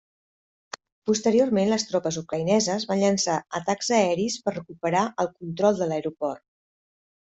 Posteriorment les tropes ucraïneses van llançar atacs aeris per recuperar el control de l'aeroport.